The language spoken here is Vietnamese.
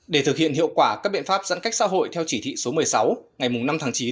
để thực hiện hiệu quả các biện pháp giãn cách xã hội theo chỉ thị số một mươi sáu ngày năm tháng chín